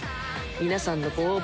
皆さんのご応募